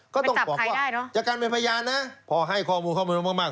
ก็ต้องบอกว่าจากการเป็นพยานนะพอให้ข้อมูลเข้ามามาก